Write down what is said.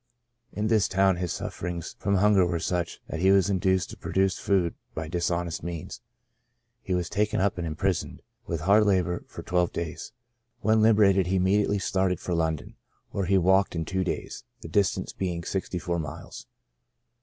In this town his sufferings from hunger were such, that he was induced to procure food by dishonest means ; he was taken up and imprisoned, with hard labor, for twelve days. When liberated he immediately started for London, where he walked in two days, the distance being sixty four miles.